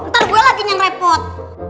ntar gue lagi yang repot